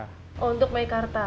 oh untuk maikarta